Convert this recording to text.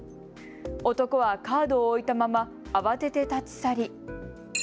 男はカードを置いたまま慌てて立ち去り。